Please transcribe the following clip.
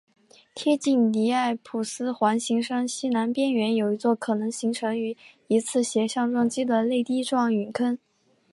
贴近尼埃普斯环形山西南边缘有一座可能形成于一次斜向撞击的泪滴状陨坑。